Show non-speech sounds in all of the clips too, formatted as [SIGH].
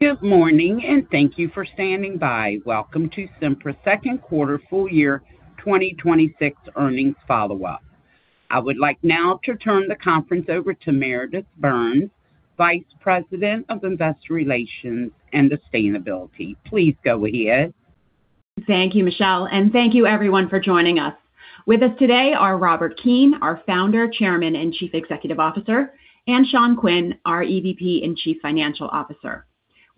Good morning, and thank you for standing by. Welcome to Cimpress' Second Quarter Full Year 2026 Earnings Follow-Up. I would like now to turn the conference over to Meredith Burns, Vice President of Investor Relations and Sustainability. Please go ahead. Thank you, Michelle, and thank you everyone for joining us. With us today are Robert Keane, our Founder, Chairman, and Chief Executive Officer, and Sean Quinn, our EVP and Chief Financial Officer.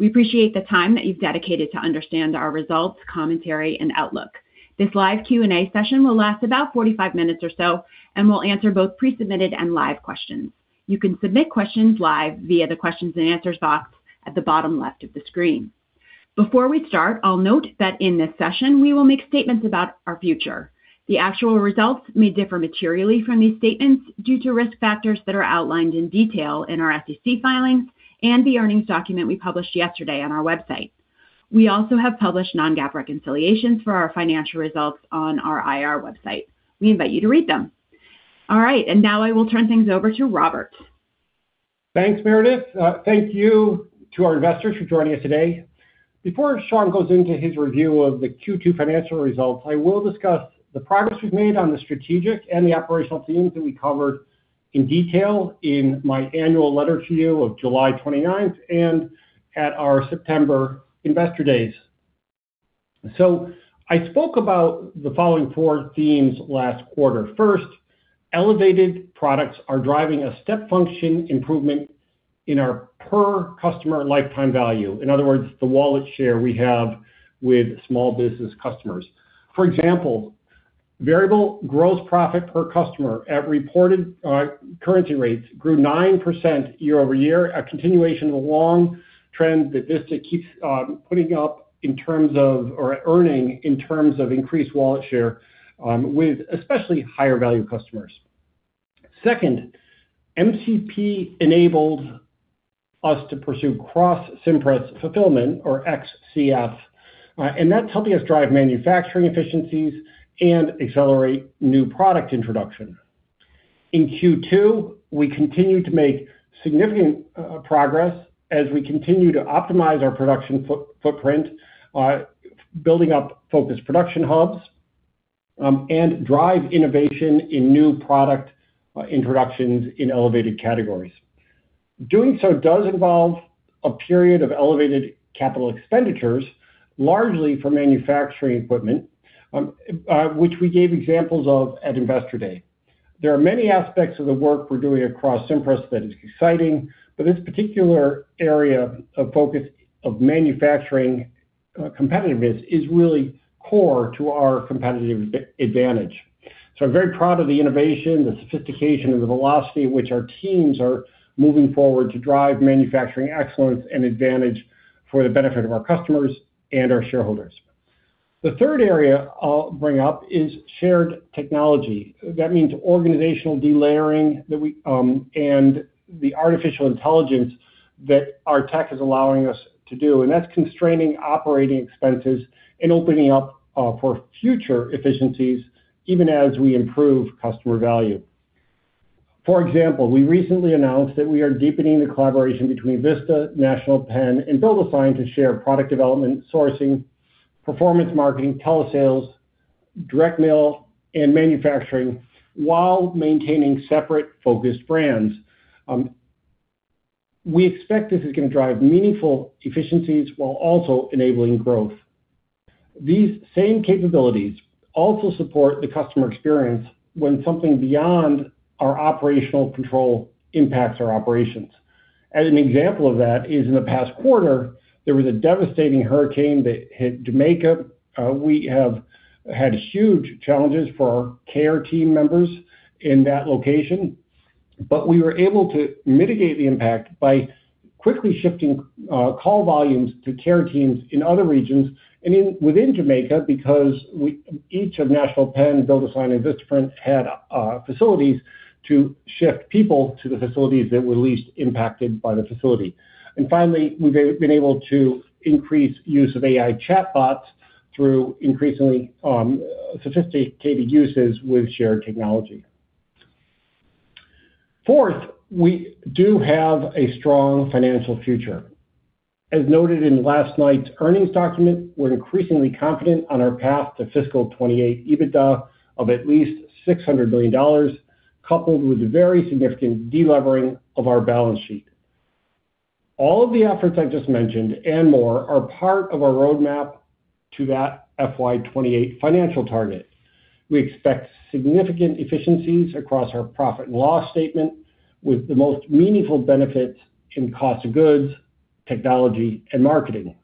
We appreciate the time that you've dedicated to understand our results, commentary, and outlook. This live Q&A session will last about 45 minutes or so, and we'll answer both pre-submitted and live questions. You can submit questions live via the questions and answers box at the bottom left of the screen. Before we start, I'll note that in this session, we will make statements about our future. The actual results may differ materially from these statements due to risk factors that are outlined in detail in our SEC filings and the earnings document we published yesterday on our website. We also have published non-GAAP reconciliations for our financial results on our IR website. We invite you to read them. All right, and now I will turn things over to Robert. Thanks, Meredith. Thank you to our investors for joining us today. Before Sean goes into his review of the Q2 financial results, I will discuss the progress we've made on the strategic and the operational themes that we covered in detail in my annual letter to you of July 29th and at our September Investor Days. I spoke about the following four themes last quarter. First, elevated products are driving a step function improvement in our per customer lifetime value. In other words, the wallet share we have with small business customers. For example, variable gross profit per customer at reported currency rates grew 9% year-over-year, a continuation of a long trend that Vista keeps putting up in terms of or earning in terms of increased wallet share with especially higher value customers. Second, MCP enabled us to pursue Cross-Cimpress Fulfillment or XCF, and that's helping us drive manufacturing efficiencies and accelerate new product introduction. In Q2, we continued to make significant progress as we continue to optimize our production footprint, building up focused production hubs, and drive innovation in new product introductions in elevated categories. Doing so does involve a period of elevated capital expenditures, largely for manufacturing equipment, which we gave examples of at Investor Day. There are many aspects of the work we're doing across Cimpress that is exciting, but this particular area of focus of manufacturing competitiveness is really core to our competitive advantage. So I'm very proud of the innovation, the sophistication, and the velocity at which our teams are moving forward to drive manufacturing excellence and advantage for the benefit of our customers and our shareholders. The third area I'll bring up is shared technology. That means organizational delayering that we, and the artificial intelligence that our tech is allowing us to do, and that's constraining operating expenses and opening up, for future efficiencies even as we improve customer value. For example, we recently announced that we are deepening the collaboration between Vista, National Pen, and BuildASign to share product development, sourcing, performance marketing, telesales, direct mail, and manufacturing while maintaining separate focused brands. We expect this is gonna drive meaningful efficiencies while also enabling growth. These same capabilities also support the customer experience when something beyond our operational control impacts our operations. As an example of that, is in the past quarter, there was a devastating hurricane that hit Jamaica. We have had huge challenges for our care team members in that location, but we were able to mitigate the impact by quickly shifting call volumes to care teams in other regions and within Jamaica, because each of National Pen, BuildASign, and Vistaprint had facilities to shift people to the facilities that were least impacted by the facility. And finally, we've been able to increase use of AI chatbots through increasingly sophisticated uses with shared technology. Fourth, we do have a strong financial future. As noted in last night's earnings document, we're increasingly confident on our path to fiscal 2028 EBITDA of at least $600 million, coupled with very significant delevering of our balance sheet. All of the efforts I just mentioned and more are part of our roadmap to that FY 2028 financial target. We expect significant efficiencies across our profit and loss statement, with the most meaningful benefits in cost of goods, technology, and marketing.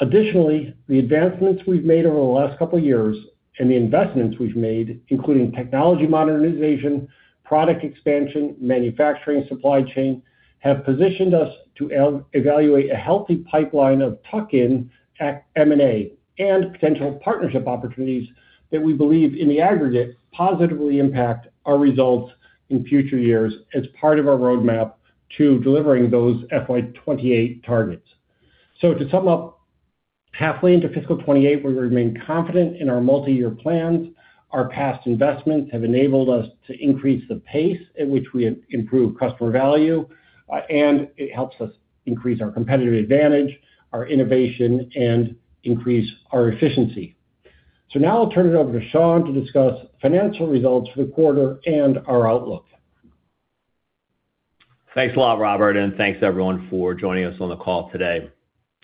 Additionally, the advancements we've made over the last couple of years and the investments we've made, including technology modernization, product expansion, manufacturing, supply chain, have positioned us to evaluate a healthy pipeline of tuck-in M&A and potential partnership opportunities that we believe in the aggregate, positively impact our results in future years as part of our roadmap to delivering those FY 2028 targets. So to sum up, halfway into fiscal 2028, we remain confident in our multi-year plans. Our past investments have enabled us to increase the pace at which we improve customer value, and it helps us increase our competitive advantage, our innovation, and increase our efficiency. So now I'll turn it over to Sean to discuss financial results for the quarter and our outlook. Thanks a lot, Robert, and thanks everyone for joining us on the call today.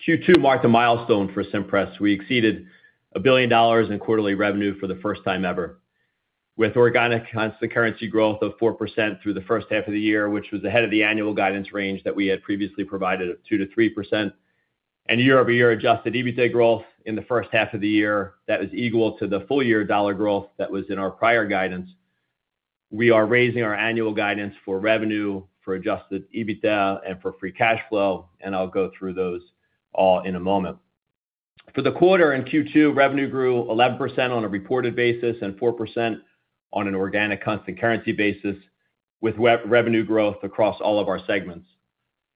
Q2 marked a milestone for Cimpress. We exceeded $1 billion in quarterly revenue for the first time ever, with organic constant currency growth of 4% through the H1 of the year, which was ahead of the annual guidance range that we had previously provided of 2%-3%. Year-over-year adjusted EBITDA growth in the first half of the year, that is equal to the full year dollar growth that was in our prior guidance. We are raising our annual guidance for revenue, for adjusted EBITDA, and for free cash flow, and I'll go through those all in a moment. For the quarter, in Q2, revenue grew 11% on a reported basis and 4% on an organic constant currency basis, with revenue growth across all of our segments.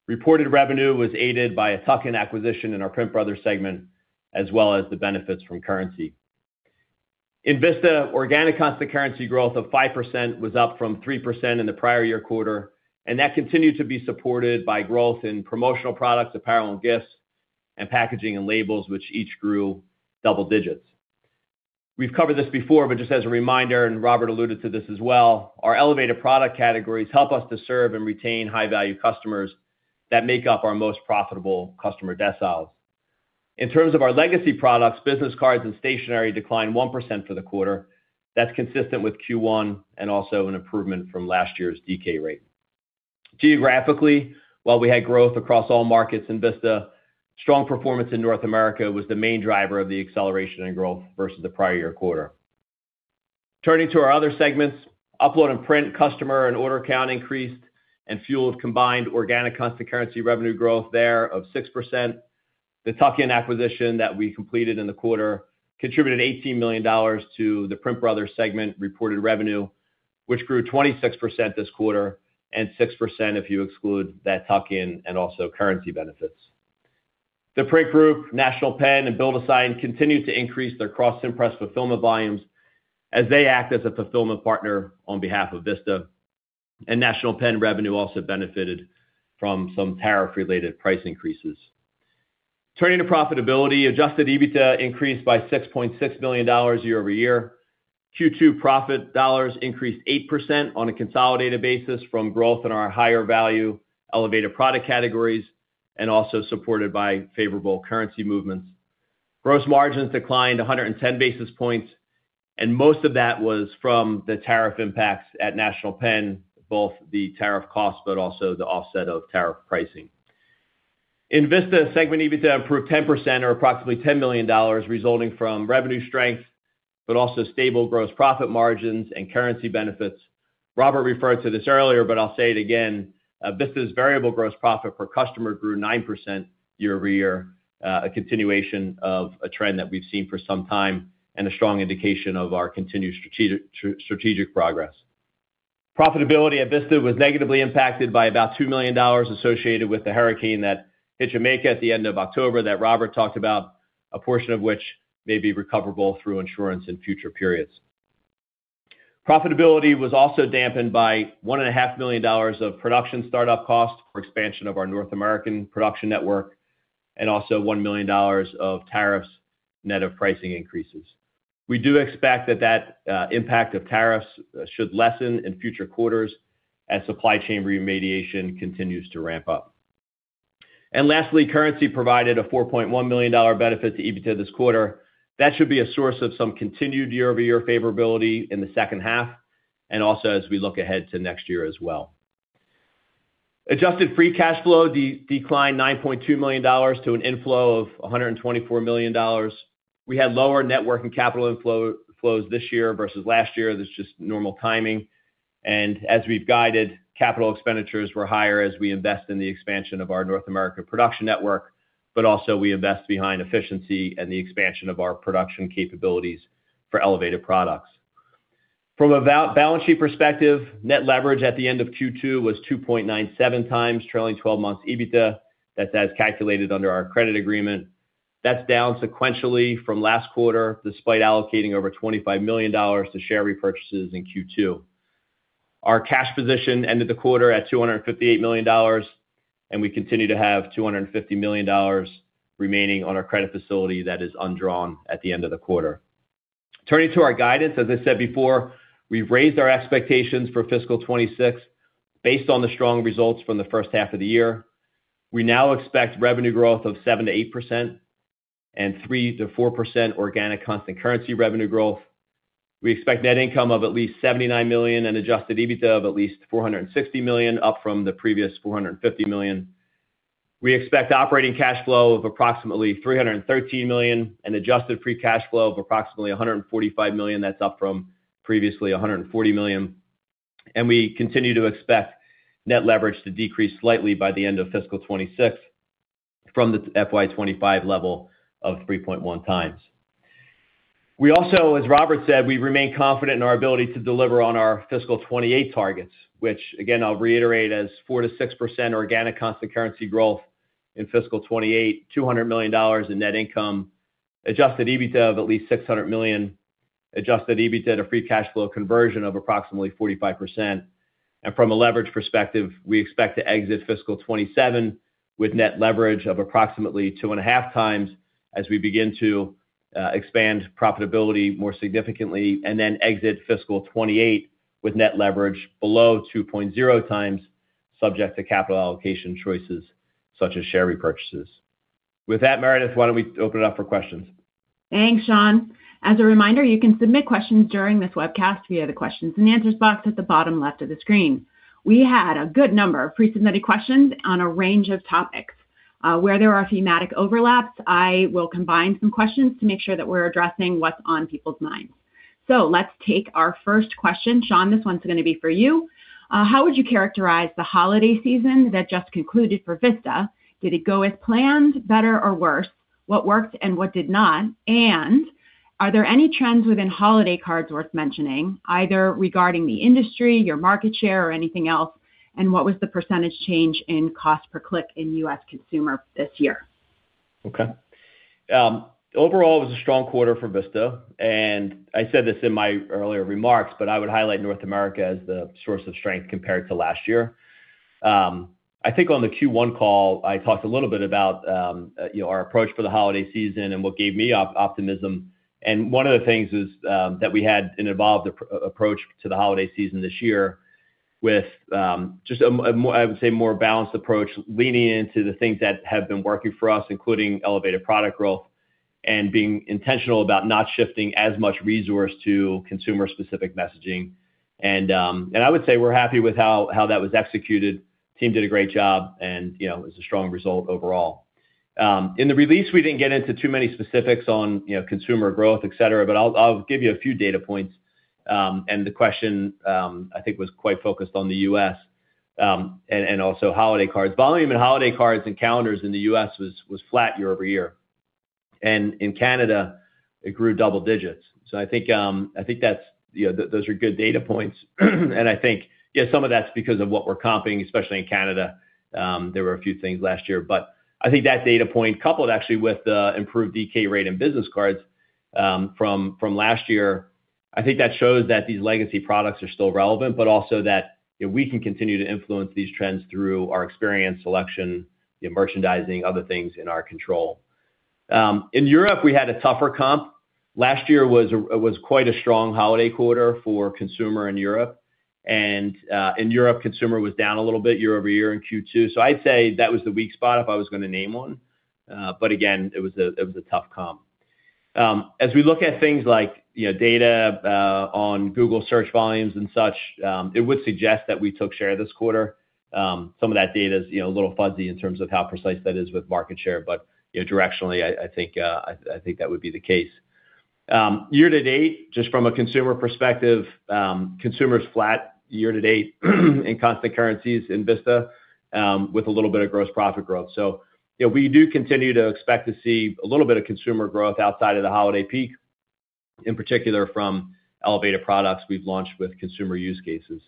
Reported revenue was aided by a tuck-in acquisition in our PrintBrothers segment, as well as the benefits from currency. In Vista, organic constant currency growth of 5% was up from 3% in the prior year quarter, and that continued to be supported by growth in promotional products, apparel and gifts, and packaging and labels, which each grew double digits. We've covered this before, but just as a reminder, and Robert alluded to this as well, our elevated product categories help us to serve and retain high-value customers that make up our most profitable customer deciles. In terms of our legacy products, business cards and stationery declined 1% for the quarter. That's consistent with Q1, and also an improvement from last year's decay rate. Geographically, while we had growth across all markets in Vista, strong performance in North America was the main driver of the acceleration in growth versus the prior year quarter. Turning to our other segments, Upload and Print, customer and order count increased and fueled combined organic constant currency revenue growth there of 6%. The tuck-in acquisition that we completed in the quarter contributed $18 million to the PrintBrothers segment reported revenue, which grew 26% this quarter and 6% if you exclude that tuck-in and also currency benefits. The Print Group, National Pen, and BuildASign continued to increase their Cross-Cimpress Fulfillment volumes as they act as a fulfillment partner on behalf of Vista. National Pen revenue also benefited from some tariff-related price increases. Turning to profitability, adjusted EBITDA increased by $6.6 million year-over-year. Q2 profit dollars increased 8% on a consolidated basis from growth in our higher value, elevated product categories, and also supported by favorable currency movements. Gross margins declined 110 basis points, and most of that was from the tariff impacts at National Pen, both the tariff costs, but also the offset of tariff pricing. In Vista, segment EBITDA improved 10% or approximately $10 million, resulting from revenue strength, but also stable gross profit margins and currency benefits. Robert referred to this earlier, but I'll say it again, Vista's variable gross profit per customer grew 9% year-over-year, a continuation of a trend that we've seen for some time and a strong indication of our continued strategic progress. Profitability at Vista was negatively impacted by about $2 million associated with the hurricane that hit Jamaica at the end of October, that Robert talked about, a portion of which may be recoverable through insurance in future periods. Profitability was also dampened by $1.5 million of production startup costs for expansion of our North American production network, and also $1 million of tariffs, net of pricing increases. We do expect that that impact of tariffs should lessen in future quarters as supply chain remediation continues to ramp up. And lastly, currency provided a $4.1 million benefit to EBITDA this quarter. That should be a source of some continued year-over-year favorability in the second half, and also as we look ahead to next year as well. Adjusted free cash flow declined $9.2 million to an inflow of $124 million. We had lower net working capital inflows this year versus last year. That's just normal timing. As we've guided, capital expenditures were higher as we invest in the expansion of our North American production network, but also we invest behind efficiency and the expansion of our production capabilities for elevated products. From a balance sheet perspective, net leverage at the end of Q2 was 2.97 times trailing twelve months EBITDA. That's as calculated under our credit agreement. That's down sequentially from last quarter, despite allocating over $25 million to share repurchases in Q2. Our cash position ended the quarter at $258 million, and we continue to have $250 million remaining on our credit facility that is undrawn at the end of the quarter. Turning to our guidance, as I said before, we've raised our expectations for fiscal 2026 based on the strong results from the first half of the year. We now expect revenue growth of 7%-8% and 3%-4% organic constant currency revenue growth. We expect net income of at least $79 million and adjusted EBITDA of at least $460 million, up from the previous $450 million. We expect operating cash flow of approximately $313 million and adjusted free cash flow of approximately $145 million. That's up from previously $140 million. We continue to expect net leverage to decrease slightly by the end of fiscal 2026 from the FY 2025 level of 3.1 times. We also, as Robert said, we remain confident in our ability to deliver on our fiscal 2028 targets, which again, I'll reiterate, as 4%-6% organic constant currency growth in fiscal 2028, $200 million in net income, adjusted EBITDA of at least $600 million, adjusted EBITDA to free cash flow conversion of approximately 45%. And from a leverage perspective, we expect to exit fiscal 2027 with net leverage of approximately 2.5 times as we begin to expand profitability more significantly, and then exit fiscal 2028 with net leverage below 2.0 times, subject to capital allocation choices such as share repurchases. With that, Meredith, why don't we open it up for questions? Thanks, Sean. As a reminder, you can submit questions during this webcast via the questions and answers box at the bottom left of the screen. We had a good number of pre-submitted questions on a range of topics. Where there are thematic overlaps, I will combine some questions to make sure that we're addressing what's on people's minds. So let's take our first question. Sean, this one's gonna be for you. How would you characterize the holiday season that just concluded for Vista? Did it go as planned, better, or worse? What worked and what did not? And are there any trends within holiday cards worth mentioning, either regarding the industry, your market share, or anything else? And what was the percentage change in cost per click in US consumer this year? Okay. Overall, it was a strong quarter for Vista, and I said this in my earlier remarks, but I would highlight North America as the source of strength compared to last year. I think on the Q1 call, I talked a little bit about, you know, our approach for the holiday season and what gave me optimism. One of the things is that we had an evolved approach to the holiday season this year with just a more, I would say, more balanced approach, leaning into the things that have been working for us, including elevated product growth and being intentional about not shifting as much resource to consumer-specific messaging. I would say we're happy with how that was executed. Team did a great job, and, you know, it was a strong result overall. In the release, we didn't get into too many specifics on, you know, consumer growth, et cetera, but I'll give you a few data points. And the question, I think, was quite focused on the U.S., and also holiday cards. Volume in holiday cards and calendars in the U.S. was flat year-over-year. And in Canada, it grew double digits. So I think, I think that's, you know, those are good data points. And I think, yeah, some of that's because of what we're comping, especially in Canada. There were a few things last year, but I think that data point, coupled actually with the improved DK rate in business cards, from last year, I think that shows that these legacy products are still relevant, but also that, you know, we can continue to influence these trends through our experience, selection, the merchandising, other things in our control. In Europe, we had a tougher comp. Last year it was quite a strong holiday quarter for consumer in Europe. And in Europe, consumer was down a little bit year-over-year in Q2. So I'd say that was the weak spot, if I was gonna name one. But again, it was a tough comp. As we look at things like, you know, data, on Google Search volumes and such, it would suggest that we took share this quarter. Some of that data is, you know, a little fuzzy in terms of how precise that is with market share, but, you know, directionally, I, I think, I, I think that would be the case. Year to date, just from a consumer perspective, consumer's flat year to date in constant currencies in Vista, with a little bit of gross profit growth. So, you know, we do continue to expect to see a little bit of consumer growth outside of the holiday peak, in particular from Elevated Products we've launched with consumer use cases.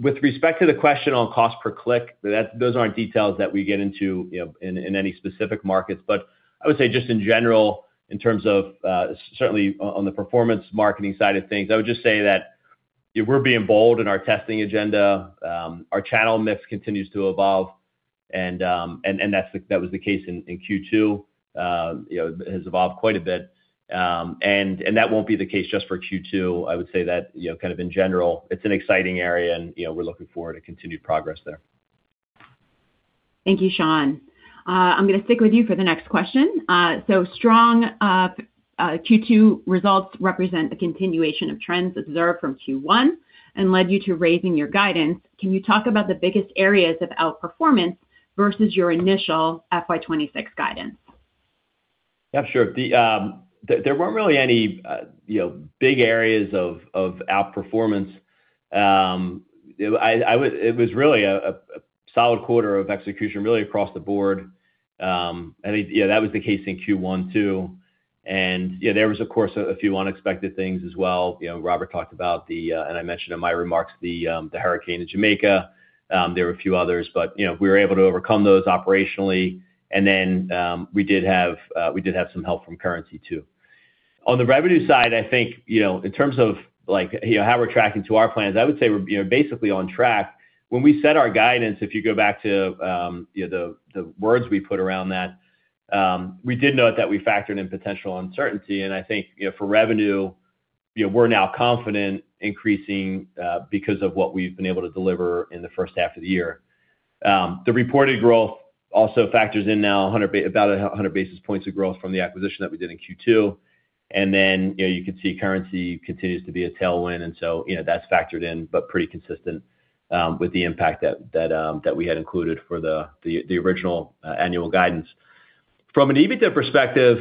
With respect to the question on cost per click, that, those aren't details that we get into, you know, in, in any specific markets. But I would say just in general, in terms of certainly on the performance marketing side of things, I would just say that, yeah, we're being bold in our testing agenda. Our channel mix continues to evolve, and that was the case in Q2. You know, it has evolved quite a bit, and that won't be the case just for Q2. I would say that, you know, kind of in general, it's an exciting area, and, you know, we're looking forward to continued progress there. Thank you, Sean. I'm gonna stick with you for the next question. So strong Q2 results represent a continuation of trends observed from Q1 and led you to raising your guidance. Can you talk about the biggest areas of outperformance versus your initial FY 2026 guidance? Yeah, sure. There weren't really any, you know, big areas of outperformance. I would say it was really a solid quarter of execution, really across the board. I think, yeah, that was the case in Q1, too. Yeah, there was, of course, a few unexpected things as well. You know, Robert talked about the... And I mentioned in my remarks the hurricane in Jamaica. There were a few others, but, you know, we were able to overcome those operationally. And then, we did have some help from currency, too. On the revenue side, I think, you know, in terms of like, you know, how we're tracking to our plans, I would say we're, you know, basically on track. When we set our guidance, if you go back to, you know, the words we put around that, we did note that we factored in potential uncertainty, and I think, you know, for revenue, you know, we're now confident increasing, because of what we've been able to deliver in the first half of the year. The reported growth also factors in now about 100 basis points of growth from the acquisition that we did in Q2. And then, you know, you can see currency continues to be a tailwind, and so, you know, that's factored in, but pretty consistent, with the impact that we had included for the original annual guidance. From an EBITDA perspective,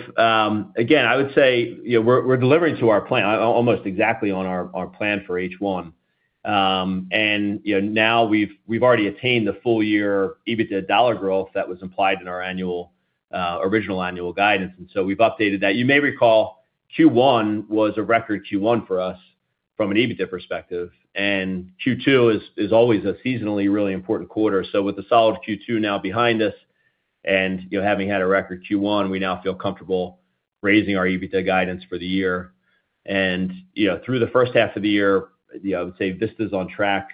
again, I would say, you know, we're delivering to our plan, almost exactly on our plan for H1. And, you know, now we've already attained the full year EBITDA dollar growth that was implied in our original annual guidance, and so we've updated that. You may recall Q1 was a record Q1 for us from an EBITDA perspective, and Q2 is always a seasonally really important quarter. So with a solid Q2 now behind us, and, you know, having had a record Q1, we now feel comfortable raising our EBITDA guidance for the year. And, you know, through the H1 of the year, you know, I would say Vista's on track.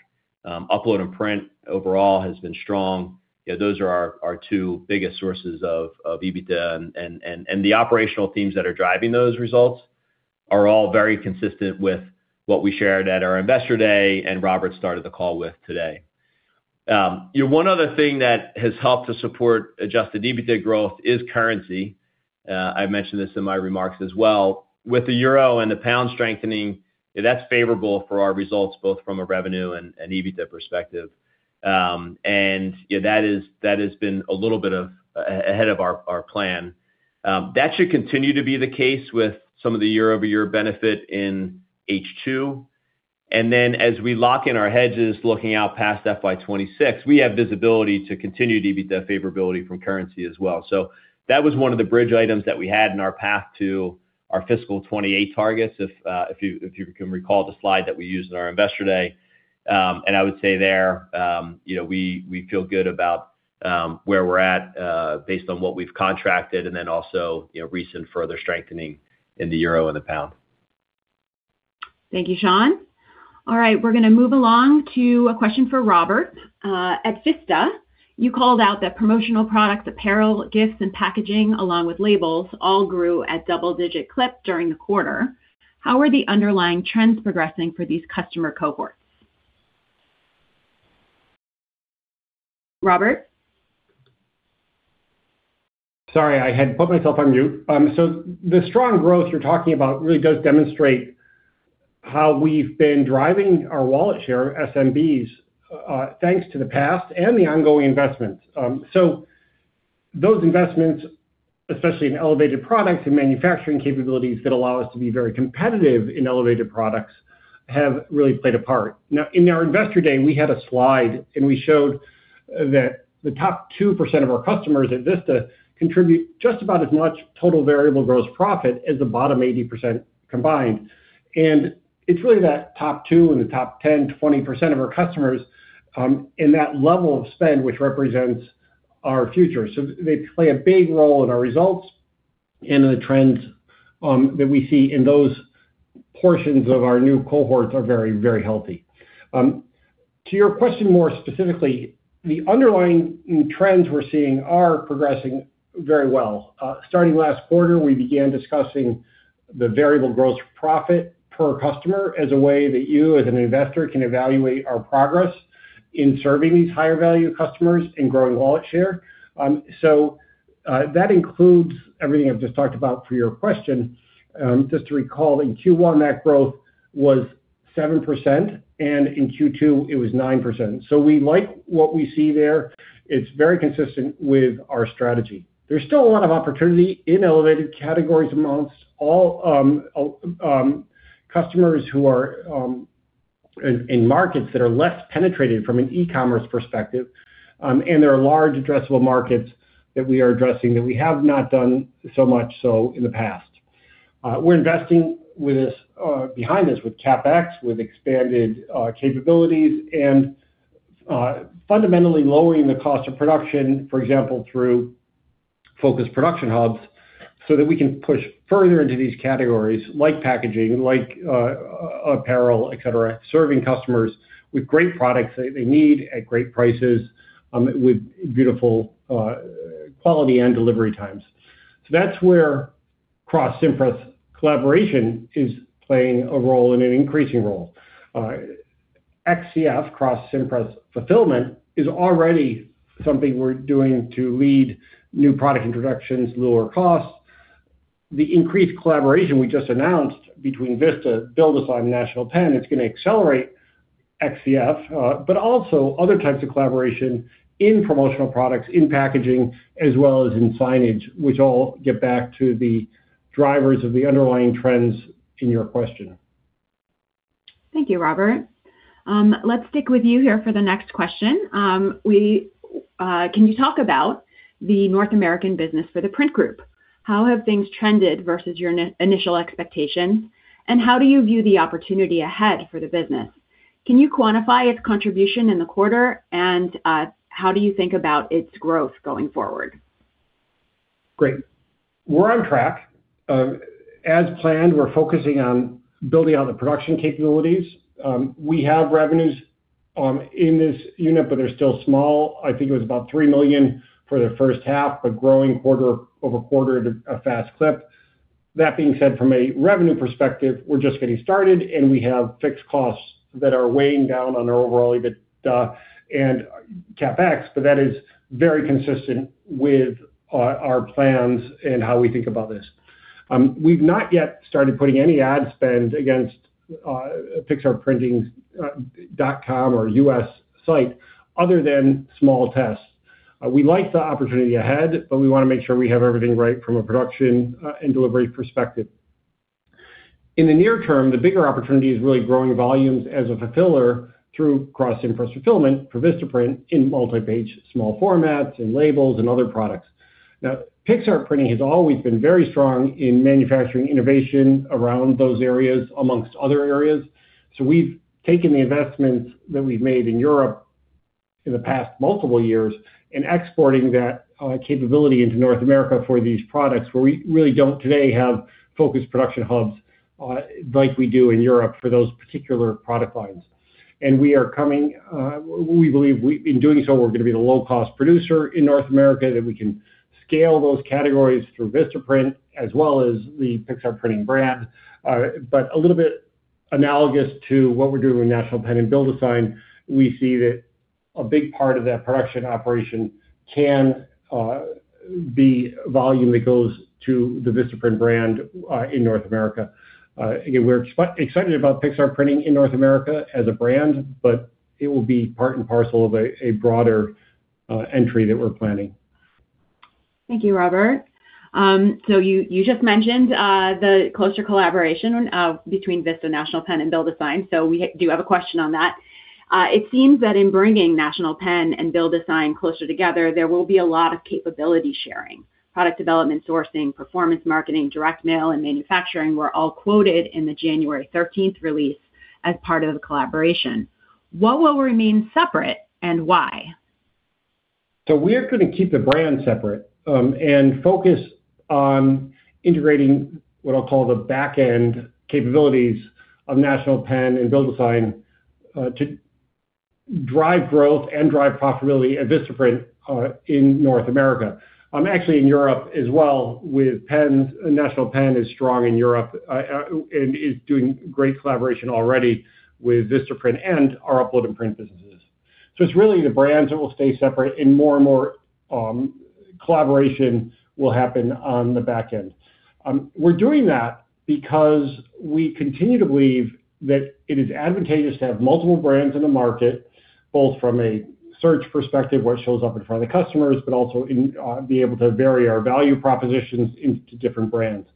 Upload and Print overall has been strong. You know, those are our two biggest sources of EBITDA, and the operational themes that are driving those results are all very consistent with what we shared at our Investor Day, and Robert started the call with today. You know, one other thing that has helped to support adjusted EBITDA growth is currency. I mentioned this in my remarks as well. With the euro and the pound strengthening, that's favorable for our results, both from a revenue and an EBITDA perspective. And yeah, that has been a little bit ahead of our plan. That should continue to be the case with some of the year-over-year benefit in H2. And then, as we lock in our hedges, looking out past FY 2026, we have visibility to continue to beat that favorability from currency as well. So that was one of the bridge items that we had in our path to our fiscal 2028 targets, if you can recall the slide that we used in our Investor Day. And I would say there, you know, we feel good about where we're at, based on what we've contracted, and then also, you know, recent further strengthening in the euro and the pound. Thank you, Sean. All right, we're gonna move along to a question for Robert. At Vista, you called out that promotional products, apparel, gifts, and packaging, along with labels, all grew at double-digit clip during the quarter. How are the underlying trends progressing for these customer cohorts? Robert? Sorry, I had put myself on mute. So the strong growth you're talking about really does demonstrate how we've been driving our wallet share SMBs, thanks to the past and the ongoing investments. So those investments, especially in Elevated Products and manufacturing capabilities that allow us to be very competitive in Elevated Products, have really played a part. Now, in our Investor Day, we had a slide, and we showed that the top 2% of our customers at Vista contribute just about as much total variable gross profit as the bottom 80% combined. And it's really that top 2% and the top 10%-20% of our customers, in that level of spend, which represents our future. So they play a big role in our results and in the trends that we see in those portions of our new cohorts are very, very healthy. To your question, more specifically, the underlying trends we're seeing are progressing very well. Starting last quarter, we began discussing the variable gross profit per customer as a way that you, as an investor, can evaluate our progress in serving these higher-value customers and growing wallet share. So, that includes everything I've just talked about for your question. Just to recall, in Q1, that growth was 7%, and in Q2, it was 9%. So we like what we see there. It's very consistent with our strategy. There's still a lot of opportunity in elevated categories amongst all customers who are in markets that are less penetrated from an e-commerce perspective, and there are large addressable markets that we are addressing that we have not done so much so in the past. We're investing with this behind this with CapEx with expanded capabilities and fundamentally lowering the cost of production, for example, through focused production hubs, so that we can push further into these categories, like packaging, like apparel, et cetera, serving customers with great products they need at great prices with beautiful quality and delivery times. So that's where Cross-Cimpress collaboration is playing a role and an increasing role. XCF, Cross-Cimpress Fulfillment, is already something we're doing to lead new product introductions, lower costs. The increased collaboration we just announced between Vista, BuildASign, and National Pen, it's gonna accelerate XCF, but also other types of collaboration in promotional products, in packaging, as well as in signage, which all get back to the drivers of the underlying trends in your question. Thank you, Robert. Let's stick with you here for the next question. Can you talk about the North American business for the Print Group? How have things trended versus your initial expectations, and how do you view the opportunity ahead for the business? Can you quantify its contribution in the quarter, and how do you think about its growth going forward? Great. We're on track. As planned, we're focusing on building out the production capabilities. We have revenues in this unit, but they're still small. I think it was about $3 million for the first half, but growing quarter-over-quarter at a fast clip. That being said, from a revenue perspective, we're just getting started, and we have fixed costs that are weighing down on our overall EBITDA and CapEx, but that is very consistent with our plans and how we think about this. We've not yet started putting any ad spend against Pixartprinting.com or U.S. site other than small tests. We like the opportunity ahead, but we wanna make sure we have everything right from a production and delivery perspective. In the near term, the bigger opportunity is really growing volumes as a fulfiller through Cross-Cimpress Fulfillment for Vistaprint in multi-page, small formats, and labels, and other products. Now, Pixartprinting has always been very strong in manufacturing innovation around those areas, among other areas. So we've taken the investments that we've made in Europe in the past multiple years and exporting that capability into North America for these products, where we really don't today have focused production hubs, like we do in Europe for those particular product lines. And we are coming, we believe in doing so, we're gonna be the low-cost producer in North America, that we can scale those categories through Vistaprint as well as the Pixartprinting brand. But a little bit analogous to what we're doing with National Pen and BuildASign, we see that a big part of that production operation can be volume that goes to the Vistaprint brand in North America. Again, we're excited about Pixartprinting in North America as a brand, but it will be part and parcel of a broader entry that we're planning. Thank you, Robert. So you, you just mentioned the closer collaboration between Vista, National Pen, and BuildASign, so we do have a question on that. It seems that in bringing National Pen and BuildASign closer together, there will be a lot of capability sharing. Product development, sourcing, performance, marketing, direct mail, and manufacturing were all quoted in the January thirteenth release as part of the collaboration. What will remain separate, and why? So we're gonna keep the brand separate, and focus on integrating what I'll call the back-end capabilities of National Pen and BuildASign, to drive growth and drive profitability at Vistaprint, in North America. Actually, in Europe as well, with pens, National Pen is strong in Europe, and is doing great collaboration already with Vistaprint and our upload and print businesses. So it's really the brands that will stay separate, and more and more, collaboration will happen on the back end. We're doing that because we continue to believe that it is advantageous to have multiple brands in the market, both from a search perspective, where it shows up in front of the customers, but also in, be able to vary our value propositions into different brands.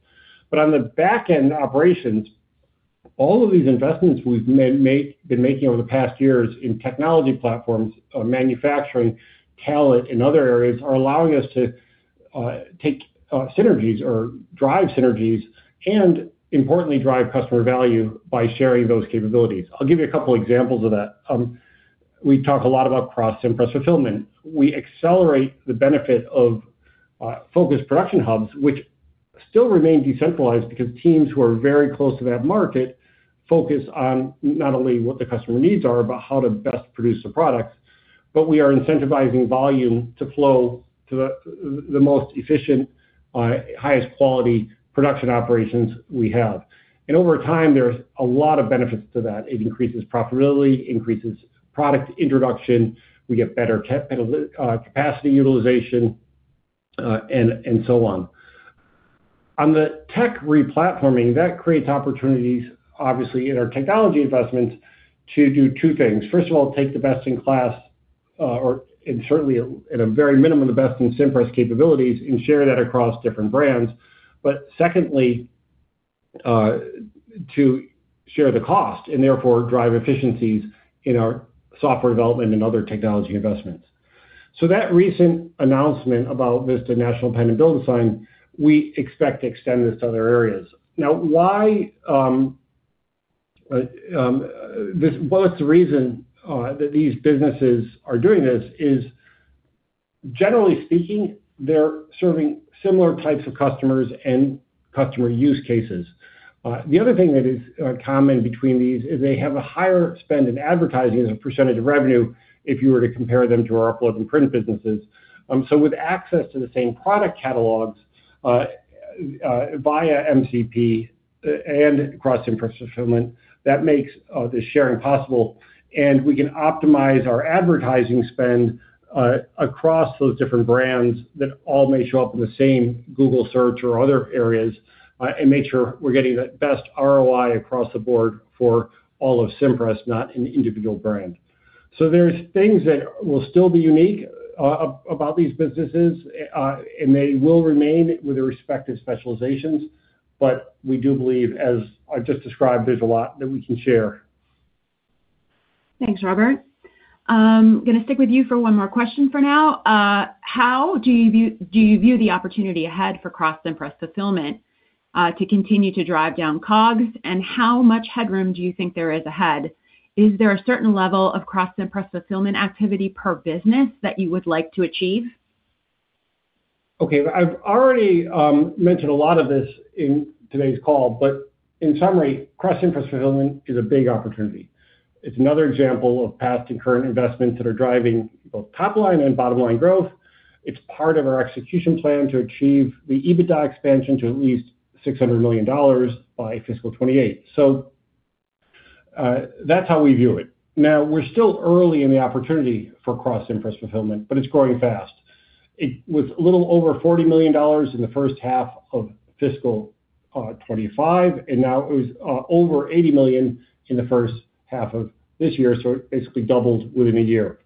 But on the back-end operations, all of these investments we've been making over the past years in technology platforms, manufacturing, talent, and other areas, are allowing us to take synergies or drive synergies, and importantly, drive customer value by sharing those capabilities. I'll give you a couple examples of that. We talk a lot about Cross-Cimpress Fulfillment. We accelerate the benefit of focused production hubs, which still remain decentralized because teams who are very close to that market focus on not only what the customer needs are, but how to best produce the products. But we are incentivizing volume to flow to the most efficient, highest quality production operations we have. And over time, there's a lot of benefits to that. It increases profitability, increases product introduction, we get better capacity utilization, and so on. On the tech replatforming, that creates opportunities, obviously, in our technology investments, to do two things. First of all, take the best-in-class, and certainly at a very minimum, the best in Cimpress capabilities and share that across different brands. But secondly, to share the cost, and therefore drive efficiencies in our software development and other technology investments. So, that recent announcement about Vistaprint, National Pen, and BuildASign, we expect to extend this to other areas. Now, why. Well, it's the reason that these businesses are doing this is, generally speaking, they're serving similar types of customers and customer use cases. The other thing that is, common between these is they have a higher spend in advertising as a percentage of revenue if you were to compare them to our upload and print businesses. So with access to the same product catalogs via MCP and Cross-Cimpress Fulfillment, that makes the sharing possible. We can optimize our advertising spend across those different brands that all may show up in the same Google Search or other areas and make sure we're getting the best ROI across the board for all of Cimpress, not an individual brand. So there's things that will still be unique about these businesses and they will remain with their respective specializations, but we do believe, as I've just described, there's a lot that we can share. Thanks, Robert. Gonna stick with you for one more question for now. How do you view, do you view the opportunity ahead for Cross-Cimpress Fulfillment, to continue to drive down COGS, and how much headroom do you think there is ahead? Is there a certain level of Cross-Cimpress Fulfillment activity per business that you would like to achieve? Okay. I've already mentioned a lot of this in today's call, but in summary, Cross-Cimpress Fulfillment is a big opportunity. It's another example of past and current investments that are driving both top-line and bottom-line growth. It's part of our execution plan to achieve the EBITDA expansion to at least $600 million by fiscal 2028. So, that's how we view it. Now, we're still early in the opportunity for Cross-Cimpress Fulfillment, but it's growing fast. It was a little over $40 million in the H1 of fiscal 2025, and now it was over $80 million in the H1 of this year, so it basically doubled within a year.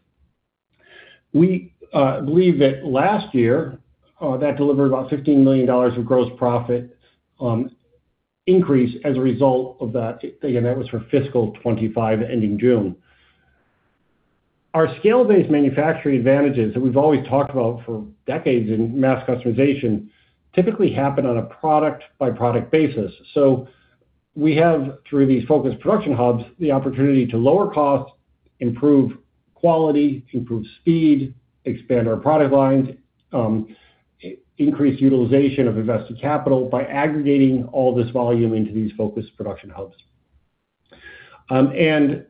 We believe that last year, that delivered about $15 million of gross profit increase as a result of that. Again, that was for fiscal 2025, ending June. Our scale-based manufacturing advantages that we've always talked about for decades in mass customization typically happen on a product-by-product basis. So we have, through these focused production hubs, the opportunity to lower costs, improve quality, improve speed, expand our product lines, increase utilization of invested capital by aggregating all this volume into these focused production hubs. And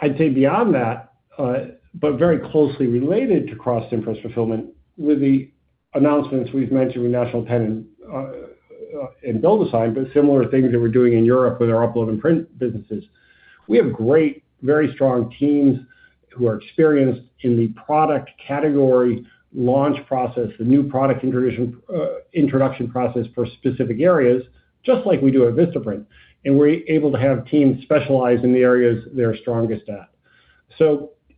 I'd say beyond that, but very closely related to Cross-Cimpress Fulfillment, with the announcements we've mentioned with National Pen and BuildASign, but similar things that we're doing in Europe with our upload and print businesses. We have great, very strong teams who are experienced in the product category, launch process, the new product introduction process for specific areas, just like we do at Vistaprint, and we're able to have teams specialize in the areas they're strongest at.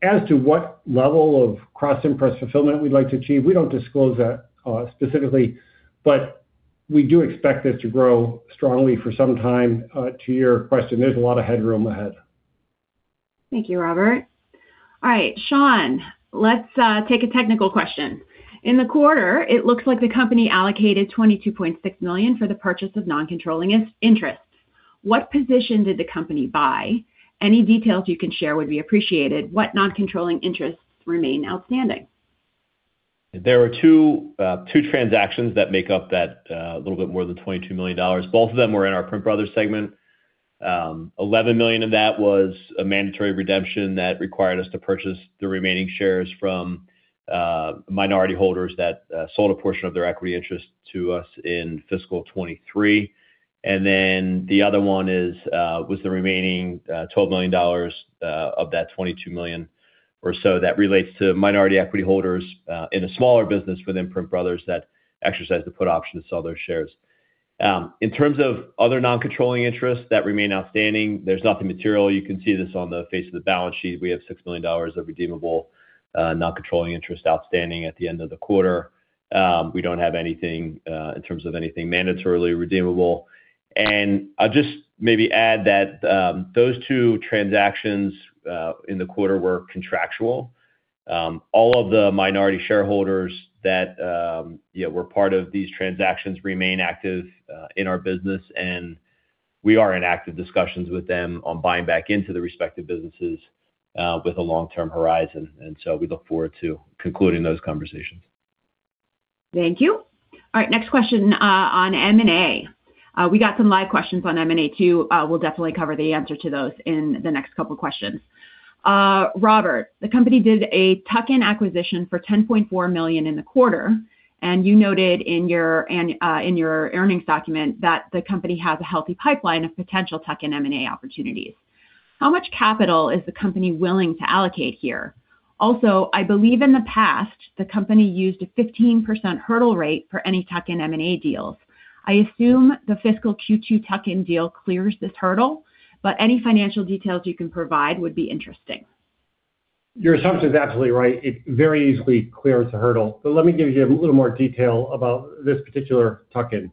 As to what level of Cross-Cimpress Fulfillment we'd like to achieve, we don't disclose that, specifically, but we do expect this to grow strongly for some time. To your question, there's a lot of headroom ahead. Thank you, Robert. All right, Sean, let's take a technical question. In the quarter, it looks like the company allocated $22.6 million for the purchase of non-controlling interests. What position did the company buy? Any details you can share would be appreciated. What non-controlling interests remain outstanding? There are two two transactions that make up that, a little bit more than $22 million. Both of them were in our Print Brothers segment. $11 million of that was a mandatory redemption that required us to purchase the remaining shares from minority holders that sold a portion of their equity interest to us in fiscal 2023. And then the other one was the remaining $12 million dollars of that $22 million or so that relates to minority equity holders in a smaller business within Print Brothers that exercised the put option to sell their shares. In terms of other non-controlling interests that remain outstanding, there's nothing material. You can see this on the face of the balance sheet. We have $6 million of redeemable non-controlling interest outstanding at the end of the quarter. We don't have anything in terms of anything mandatorily redeemable. I'll just maybe add that, those two transactions in the quarter were contractual. All of the minority shareholders that, yeah, were part of these transactions remain active in our business, and we are in active discussions with them on buying back into the respective businesses with a long-term horizon, and so we look forward to concluding those conversations. Thank you. All right, next question on M&A. We got some live questions on M&A, too. We'll definitely cover the answer to those in the next couple of questions. Robert, the company did a tuck-in acquisition for $10.4 million in the quarter, and you noted in your earnings document that the company has a healthy pipeline of potential tuck-in M&A opportunities. How much capital is the company willing to allocate here? Also, I believe in the past, the company used a 15% hurdle rate for any tuck-in M&A deals. I assume the fiscal Q2 tuck-in deal clears this hurdle, but any financial details you can provide would be interesting. Your assumption is absolutely right. It very easily clears the hurdle, but let me give you a little more detail about this particular tuck-in.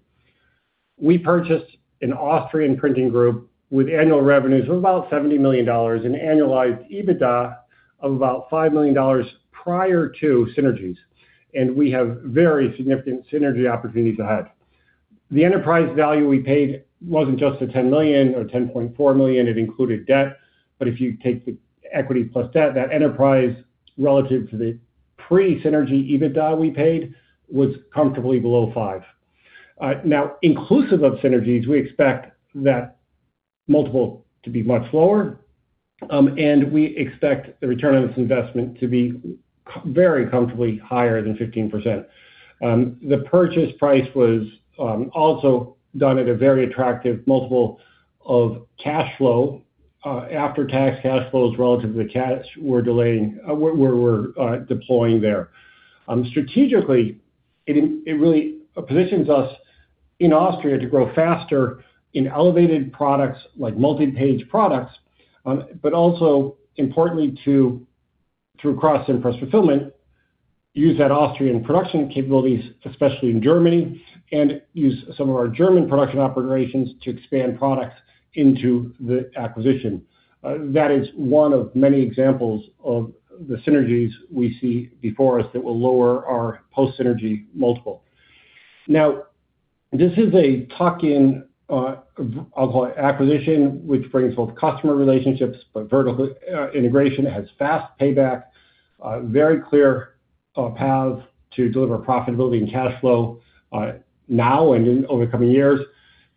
We purchased an Austrian printing group with annual revenues of about $70 million and annualized EBITDA of about $5 million prior to synergies, and we have very significant synergy opportunities ahead. The enterprise value we paid wasn't just the $10 million or $10.4 million, it included debt. But if you take the equity plus debt, that enterprise, relative to the pre-synergy EBITDA we paid, was comfortably below five. Now, inclusive of synergies, we expect that multiple to be much lower, and we expect the return on this investment to be very comfortably higher than 15%. The purchase price was also done at a very attractive multiple of cash flow. After tax cash flows relative to the cash we're deploying there. Strategically, it really positions us in Austria to grow faster in elevated products like multi-page products, but also importantly, through Cross-Cimpress Fulfillment, use that Austrian production capabilities, especially in Germany, and use some of our German production operations to expand products into the acquisition. That is one of many examples of the synergies we see before us that will lower our post-synergy multiple. Now, this is a tuck-in acquisition, which brings both customer relationships, but vertical integration has fast payback, very clear path to deliver profitability and cash flow, now and in over the coming years.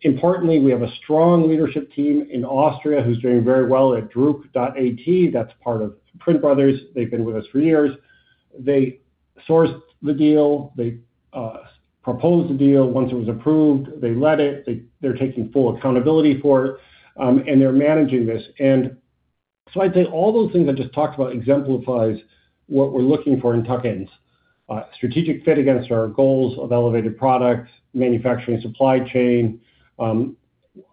Importantly, we have a strong leadership team in Austria who's doing very well at Druck.at. That's part of Print Brothers. They've been with us for years. They sourced the deal, they proposed the deal. Once it was approved, they led it, they're taking full accountability for it, and they're managing this. So I'd say all those things I just talked about exemplifies what we're looking for in tuck-ins. Strategic fit against our goals of elevated products, manufacturing, supply chain,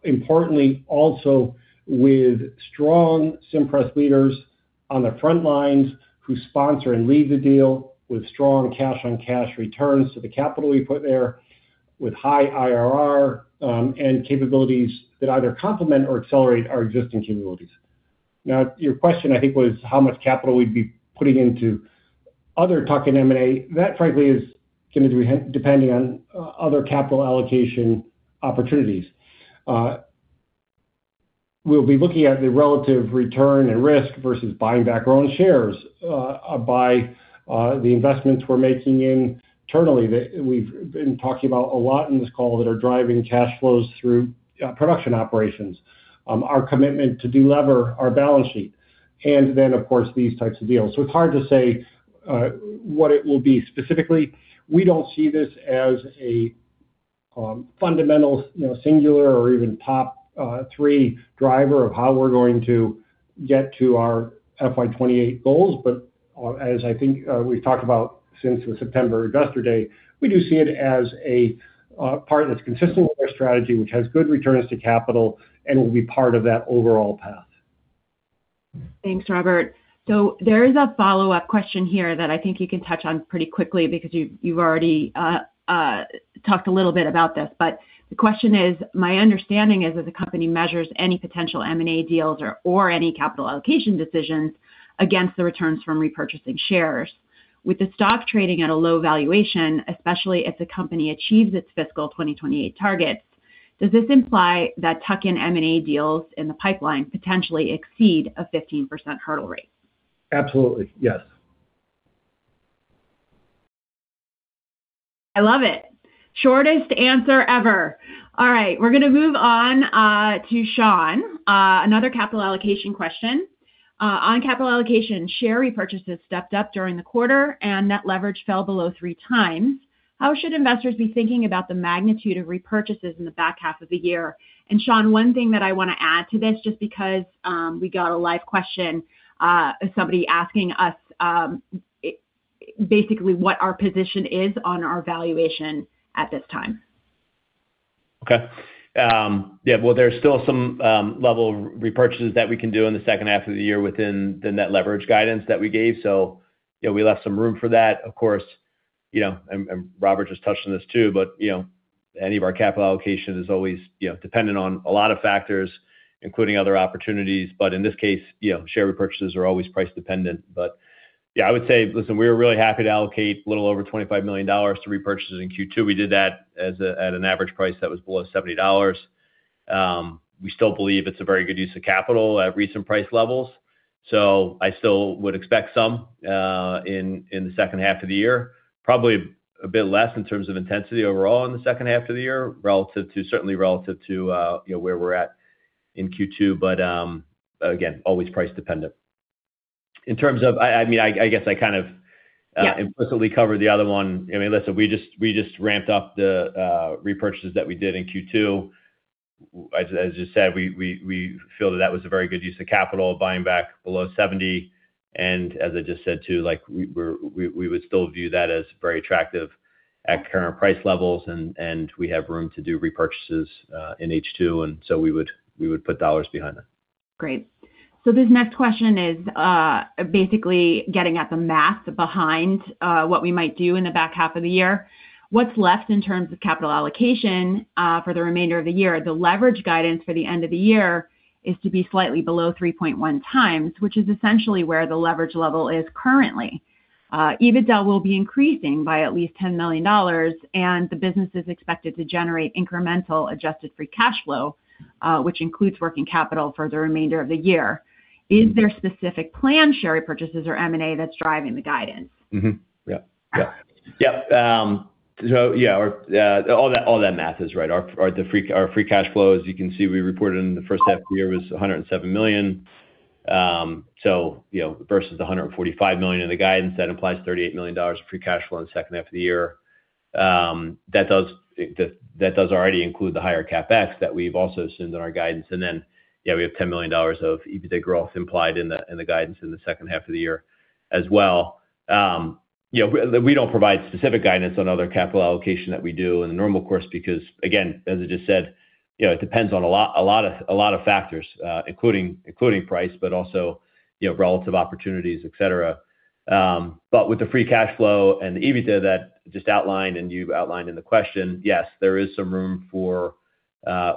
importantly, also with strong Cimpress leaders on the front lines who sponsor and lead the deal with strong cash-on-cash returns to the capital we put there, with high IRR, and capabilities that either complement or accelerate our existing capabilities. Now, your question, I think, was how much capital we'd be putting into other tuck-in M&A. That, frankly, is going to be he depending on other capital allocation opportunities. We'll be looking at the relative return and risk versus buying back our own shares, by the investments we're making internally, that we've been talking about a lot in this call that are driving cash flows through production operations. Our commitment to delever our balance sheet, and then, of course, these types of deals. So it's hard to say what it will be specifically. We don't see this as a fundamental, you know, singular or even top three driver of how we're going to get to our FY 2028 goals. But as I think we've talked about since the September Investor Day, we do see it as a part that's consistent with our strategy, which has good returns to capital and will be part of that overall path. Thanks, Robert. So there is a follow-up question here that I think you can touch on pretty quickly because you've already talked a little bit about this. But the question is: My understanding is that the company measures any potential M&A deals or any capital allocation decisions against the returns from repurchasing shares. With the stock trading at a low valuation, especially if the company achieves its fiscal 2028 targets, does this imply that tuck-in M&A deals in the pipeline potentially exceed a 15% hurdle rate? Absolutely. Yes. I love it. Shortest answer ever. All right, we're going to move on to Sean. Another capital allocation question. On capital allocation, share repurchases stepped up during the quarter, and net leverage fell below three times. How should investors be thinking about the magnitude of repurchases in the back half of the year? And Sean, one thing that I want to add to this, just because we got a live question, somebody asking us, basically, what our position is on our valuation at this time. Okay. Yeah, well, there's still some level of repurchases that we can do in the H2 of the year within the net leverage guidance that we gave, so, you know, we left some room for that. Of course, you know, and Robert just touched on this, too, but, you know, any of our capital allocation is always, you know, dependent on a lot of factors, including other opportunities. But in this case, you know, share repurchases are always price dependent. But yeah, I would say, listen, we were really happy to allocate a little over $25 million to repurchases in Q2. We did that at an average price that was below $70. We still believe it's a very good use of capital at recent price levels, so I still would expect some in the H2 of the year. Probably a bit less in terms of intensity overall in the second half of the year, relative to—certainly relative to, you know, where we're at in Q2, but, again, always price dependent. In terms of... I mean, I guess I kind of, Yeah... implicitly covered the other one. I mean, listen, we just ramped up the repurchases that we did in Q2. As I just said, we feel that that was a very good use of capital, buying back below $70. And as I just said, too, like, we would still view that as very attractive at current price levels, and we have room to do repurchases in H2, and so we would put dollars behind that. Great. So this next question is, basically getting at the math behind, what we might do in the back half of the year. What's left in terms of capital allocation, for the remainder of the year? The leverage guidance for the end of the year is to be slightly below 3.1x, which is essentially where the leverage level is currently. EBITDA will be increasing by at least $10 million, and the business is expected to generate incremental adjusted free cash flow, which includes working capital for the remainder of the year. Is there specific planned share repurchases or M&A that's driving the guidance? Yep, so yeah, all that math is right. Our free cash flow, as you can see, we reported in the first half of the year, was $107 million. So, you know, versus the $145 million in the guidance, that implies $38 million of free cash flow in the H2 of the year. That does already include the higher CapEx that we've also assumed in our guidance. And then, yeah, we have $10 million of EBITDA growth implied in the guidance in the H2 of the year as well. You know, we don't provide specific guidance on other capital allocation that we do in the normal course, because, again, as I just said, you know, it depends on a lot, a lot of, a lot of factors, including, including price, but also, you know, relative opportunities, et cetera. But with the free cash flow and the EBITDA that just outlined and you've outlined in the question, yes, there is some room for,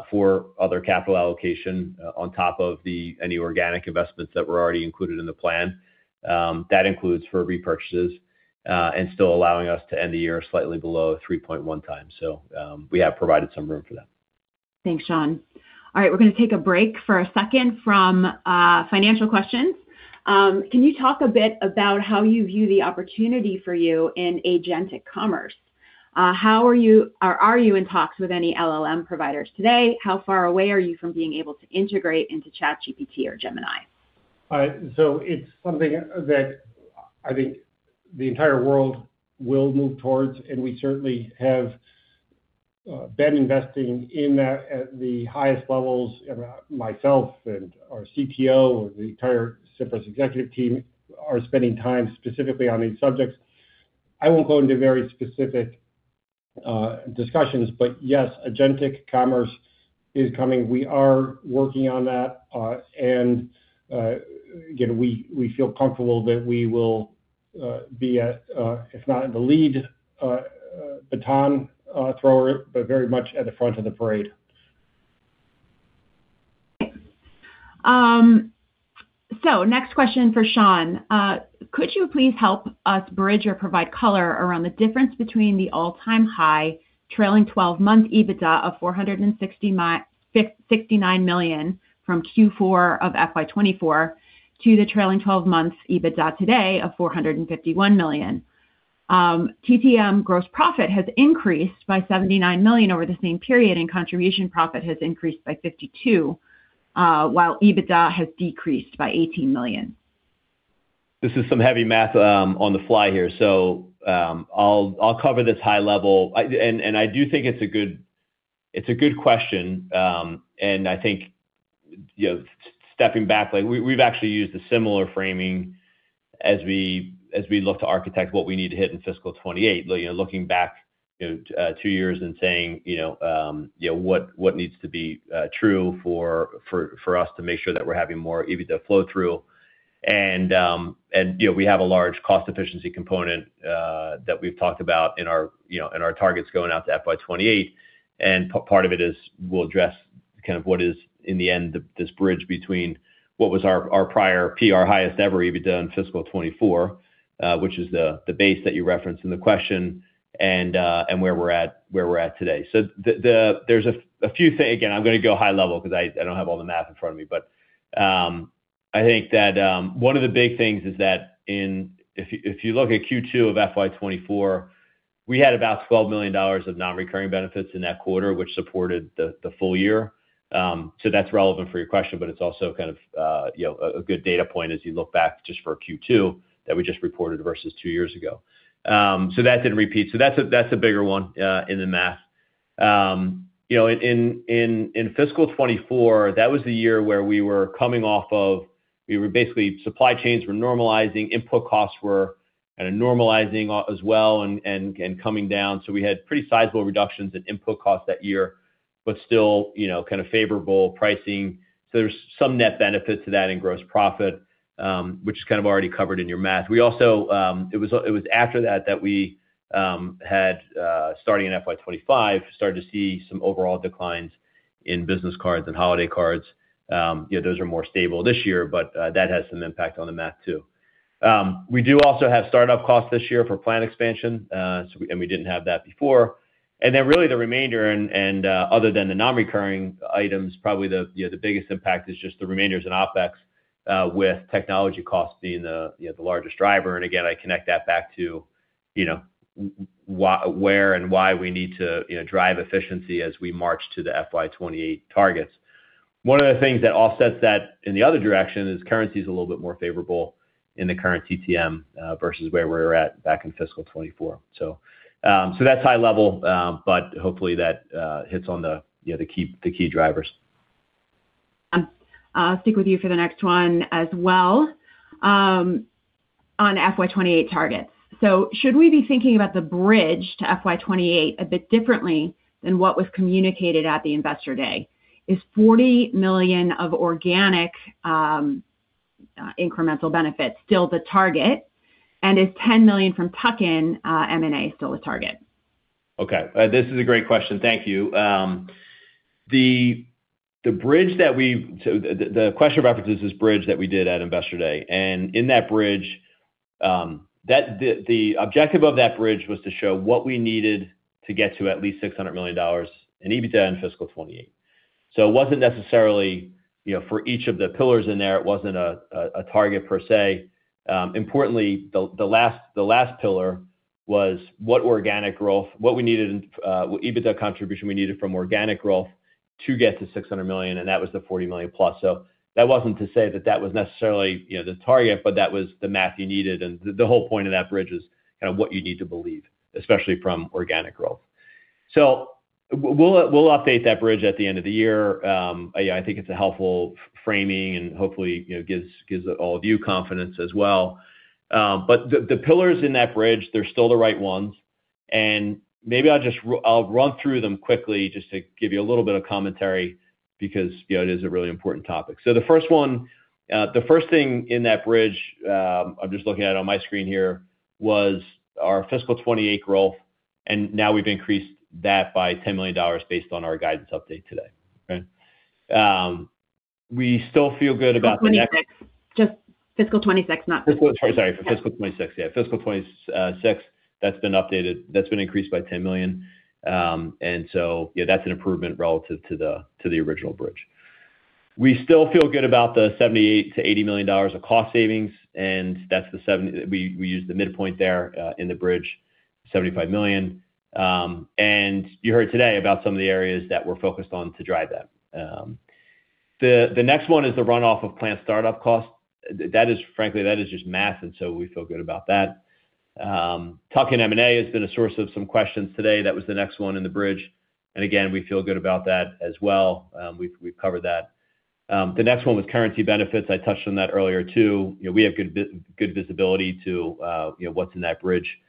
for other capital allocation on top of the any organic investments that were already included in the plan. That includes for repurchases, and still allowing us to end the year slightly below 3.1 times. So, we have provided some room for that. Thanks, Sean. All right, we're going to take a break for a second from financial questions. Can you talk a bit about how you view the opportunity for you in agentic commerce? How are you... Are you in talks with any LLM providers today? How far away are you from being able to integrate into ChatGPT or Gemini? So it's something that I think the entire world will move towards, and we certainly have been investing in that at the highest levels, and myself and our CTO and the entire Cimpress executive team are spending time specifically on these subjects. I won't go into very specific discussions, but yes, agentic commerce is coming. We are working on that, and, again, we, we feel comfortable that we will be at, if not in the lead, baton thrower, but very much at the front of the parade. So next question for Sean. Could you please help us bridge or provide color around the difference between the all-time high trailing twelve-month EBITDA of $469 million from Q4 of FY 2024 to the trailing 12 months EBITDA today of $451 million? TTM gross profit has increased by $79 million over the same period, and contribution profit has increased by $52 million, while EBITDA has decreased by $18 million. This is some heavy math on the fly here. So, I'll cover this high level. And I do think it's a good question. And I think, you know, stepping back, like we've actually used a similar framing as we look to architect what we need to hit in fiscal 2028. You know, looking back two years and saying, you know, yeah, what needs to be true for us to make sure that we're having more EBITDA flow-through. And, you know, we have a large cost efficiency component that we've talked about in our targets going out to FY 2028. And part of it is we'll address kind of what is, in the end, this bridge between what was our prior PR highest-ever EBITDA in fiscal 2024, which is the base that you referenced in the question, and where we're at today. So there's a few things. Again, I'm going to go high level because I don't have all the math in front of me. But I think that one of the big things is that if you look at Q2 of FY 2024, we had about $12 million of non-recurring benefits in that quarter, which supported the full year. So that's relevant for your question, but it's also kind of, you know, a good data point as you look back just for Q2 that we just reported versus two years ago. So that didn't repeat. So that's a bigger one in the math. You know, in fiscal 2024, that was the year where we were coming off of... We were basically, supply chains were normalizing, input costs were kind of normalizing as well and coming down. So we had pretty sizable reductions in input costs that year, but still, you know, kind of favorable pricing. So there's some net benefit to that in gross profit, which is kind of already covered in your math. We also... It was after that that we, starting in FY 2025, started to see some overall declines in business cards and holiday cards. Yet those are more stable this year, but that has some impact on the math, too. We do also have startup costs this year for plant expansion, so, and we didn't have that before. And then really the remainder and other than the non-recurring items, probably the, you know, the biggest impact is just the remainders in OpEx, with technology costs being the, you know, the largest driver. And again, I connect that back to, you know, where and why we need to, you know, drive efficiency as we march to the FY 2028 targets. One of the things that offsets that in the other direction is currency is a little bit more favorable in the current TTM, versus where we were at back in fiscal 2024. So, so that's high level, but hopefully that, hits on the, you know, the key, the key drivers. I'll stick with you for the next one as well, on FY 2028 targets. So should we be thinking about the bridge to FY 2028 a bit differently than what was communicated at the Investor Day? Is $40 million of organic, incremental benefits still the target, and is $10 million from tuck-in M&A still a target? Okay, this is a great question. Thank you. The bridge that we—so the question references this bridge that we did at Investor Day, and in that bridge, the objective of that bridge was to show what we needed to get to at least $600 million in EBITDA in fiscal 2028. So it wasn't necessarily, you know, for each of the pillars in there, it wasn't a target per se. Importantly, the last pillar was what organic growth—what we needed, what EBITDA contribution we needed from organic growth to get to $600 million, and that was the $40 million plus. So that wasn't to say that that was necessarily, you know, the target, but that was the math you needed. The whole point of that bridge is kind of what you need to believe, especially from organic growth. We'll update that bridge at the end of the year. I think it's a helpful framing and hopefully, you know, gives all of you confidence as well. But the pillars in that bridge, they're still the right ones, and maybe I'll just run through them quickly just to give you a little bit of commentary because, you know, it is a really important topic. The first one, the first thing in that bridge, I'm just looking at it on my screen here, was our fiscal 2028 growth, and now we've increased that by $10 million based on our guidance update today. Okay? We still feel good about the next- [CROSSTALK] 26. Just fiscal 26, not- Fiscal. Sorry, for fiscal 2026. Yeah, fiscal 2026, that's been updated. That's been increased by $10 million. And so, yeah, that's an improvement relative to the original bridge. We still feel good about the $78-80 million of cost savings, and that's the $70. We used the midpoint there in the bridge, $75 million. And you heard today about some of the areas that we're focused on to drive that. The next one is the runoff of plant startup costs. That is, frankly, that is just math, and so we feel good about that. Tuck-in M&A has been a source of some questions today. That was the next one in the bridge, and again, we feel good about that as well. We've covered that. The next one was currency benefits. I touched on that earlier, too. You know, we have good visibility to, you know, what's in that bridge,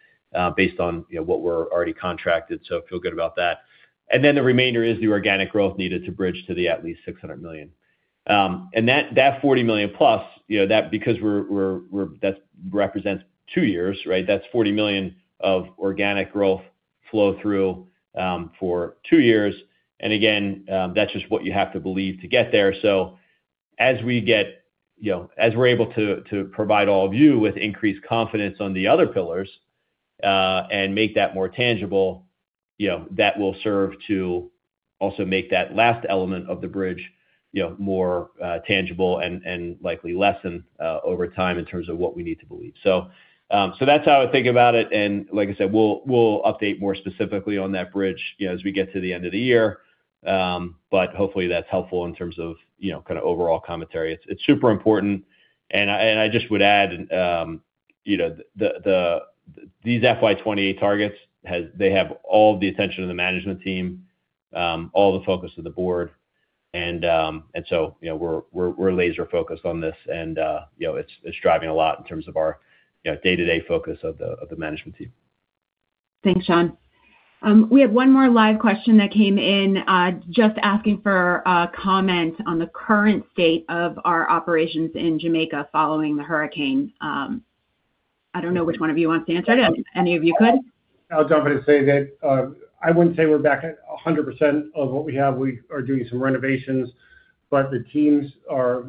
based on, you know, what we're already contracted, so I feel good about that. And then the remainder is the organic growth needed to bridge to at least $600 million. And that $40 million plus, you know, that because we're that represents two years, right? That's $40 million of organic growth flow through for two years, and again, that's just what you have to believe to get there. So as we get, you know, as we're able to, to provide all of you with increased confidence on the other pillars, and make that more tangible, you know, that will serve to also make that last element of the bridge, you know, more tangible and likely lessen over time in terms of what we need to believe. So, so that's how I would think about it, and like I said, we'll update more specifically on that bridge, you know, as we get to the end of the year. But hopefully, that's helpful in terms of, you know, kinda overall commentary. It's super important, and I just would add, you know, the these FY 28 targets has... They have all the attention of the management team, all the focus of the board, and so, you know, we're laser focused on this and, you know, it's driving a lot in terms of our, you know, day-to-day focus of the management team. Thanks, Sean. We have one more live question that came in, just asking for comment on the current state of our operations in Jamaica following the hurricane. I don't know which one of you wants to answer that. Any of you could. I'll jump in and say that, I wouldn't say we're back at 100% of what we have. We are doing some renovations, but the teams are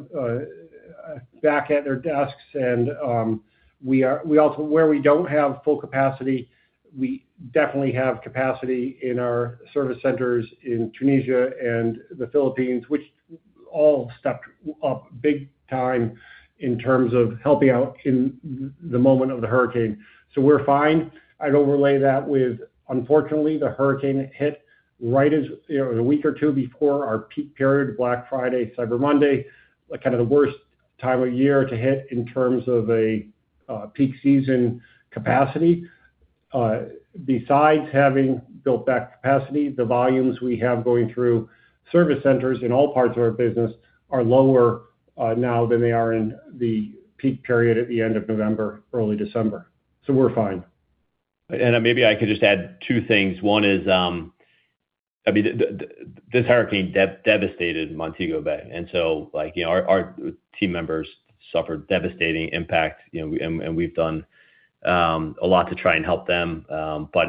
back at their desks and, where we don't have full capacity, we definitely have capacity in our service centers in Tunisia and the Philippines, which all stepped up big time in terms of helping out in the moment of the hurricane. So we're fine. I'd overlay that with, unfortunately, the hurricane hit right as, you know, a week or two before our peak period, Black Friday, Cyber Monday, kind of the worst time of year to hit in terms of a peak season capacity. Besides having built back capacity, the volumes we have going through service centers in all parts of our business are lower now than they are in the peak period at the end of November, early December. So we're fine. Maybe I could just add two things. One is, I mean, this hurricane devastated Montego Bay, and so, like, you know, our team members suffered devastating impact, you know, and we've done a lot to try and help them. But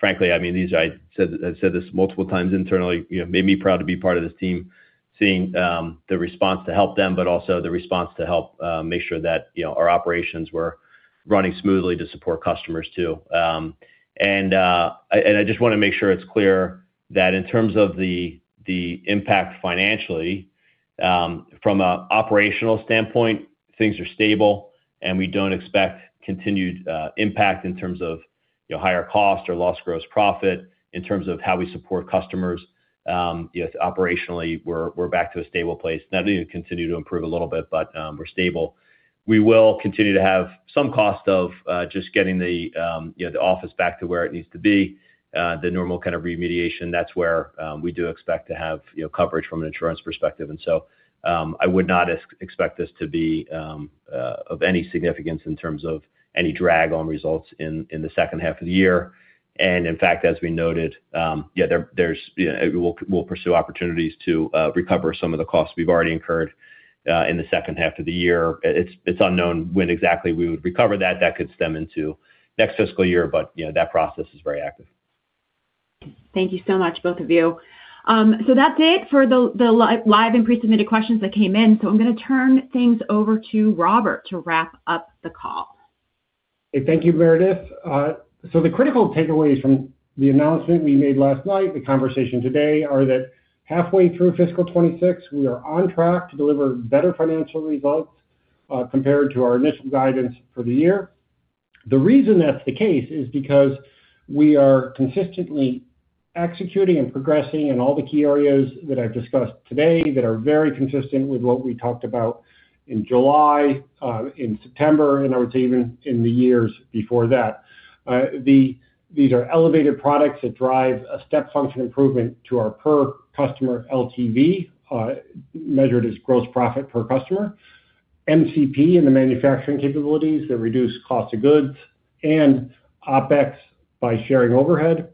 frankly, I mean, these are, I said, I've said this multiple times internally, you know, made me proud to be part of this team, seeing the response to help them, but also the response to help make sure that, you know, our operations were running smoothly to support customers, too. And I just wanna make sure it's clear that in terms of the impact financially, from an operational standpoint, things are stable, and we don't expect continued impact in terms of, you know, higher cost or lost gross profit. In terms of how we support customers, yes, operationally, we're back to a stable place. Now, we need to continue to improve a little bit, but we're stable. We will continue to have some cost of just getting the, you know, the office back to where it needs to be, the normal kind of remediation. That's where we do expect to have, you know, coverage from an insurance perspective. And so, I would not expect this to be of any significance in terms of any drag on results in the H2 of the year. And in fact, as we noted, yeah, there's, you know, we'll pursue opportunities to recover some of the costs we've already incurred in the H2 of the year. It's unknown when exactly we would recover that. That could stem into next fiscal year, but, you know, that process is very active. Thank you so much, both of you. So that's it for the live and pre-submitted questions that came in. So I'm gonna turn things over to Robert to wrap up the call. Thank you, Meredith. So the critical takeaways from the announcement we made last night, the conversation today, are that halfway through fiscal 2026, we are on track to deliver better financial results, compared to our initial guidance for the year. The reason that's the case is because we are consistently executing and progressing in all the key areas that I've discussed today, that are very consistent with what we talked about in July, in September, and I would say even in the years before that. These are elevated products that drive a step function improvement to our per customer LTV, measured as gross profit per customer, MCP in the manufacturing capabilities that reduce cost of goods and OpEx by sharing overhead,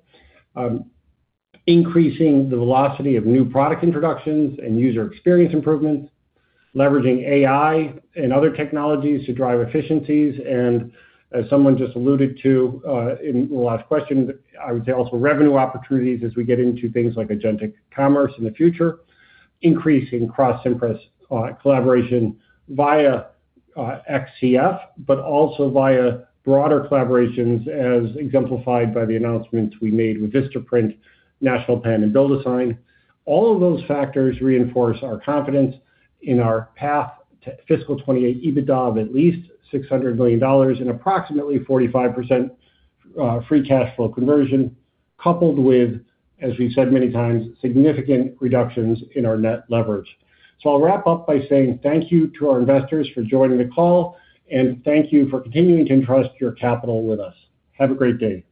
increasing the velocity of new product introductions and user experience improvements, leveraging AI and other technologies to drive efficiencies, and as someone just alluded to in the last question, I would say also revenue opportunities as we get into things like agentic commerce in the future, increasing Cross-Cimpress collaboration via XCF, but also via broader collaborations, as exemplified by the announcements we made with Vistaprint, National Pen, and BuildASign. All of those factors reinforce our confidence in our path to fiscal 2028 EBITDA of at least $600 million and approximately 45% free cash flow conversion, coupled with, as we've said many times, significant reductions in our net leverage. I'll wrap up by saying thank you to our investors for joining the call, and thank you for continuing to entrust your capital with us. Have a great day.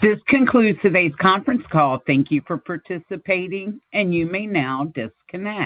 This concludes today's conference call. Thank you for participating, and you may now disconnect.